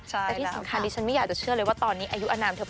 แต่ที่สังคัญสิฉันไม่อยากเชื่อเลยว่าตอนนี้